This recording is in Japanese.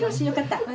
よかった。